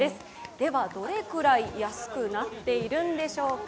ではどれくらい安くなっているんでしょうか。